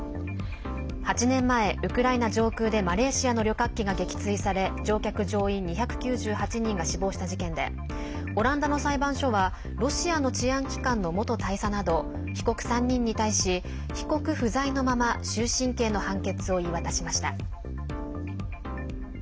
８年前、ウクライナ上空でマレーシアの旅客機が撃墜され乗客・乗員２９８人が死亡した事件でオランダの裁判所はロシアの治安機関の元大佐など被告３人に対し、被告不在のまま終身刑の判決を言い渡しました。